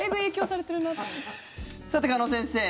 さて、鹿野先生